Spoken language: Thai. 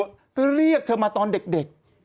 ก็เรียกเธอมาตอนเด็ก